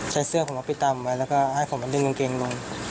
ใช้เสื้อผมน้ำปิดตาเหมือนแล้วก็ให้ผมว่านึงเกงลง